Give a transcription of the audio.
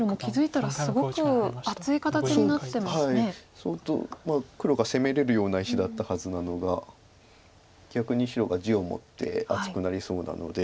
相当黒が攻めれるような石だったはずなのが逆に白が地を持って厚くなりそうなので。